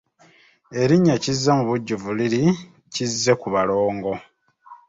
Erinnya Kizza mubujjuvu liri Kizzekubalongo.